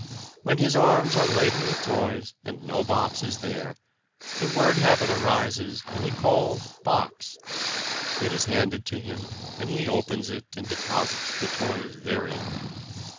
When his arms are laden with toys and no box is there, the word habit arises and he calls 'box'; it is handed to him, and he opens it and deposits the toys therein.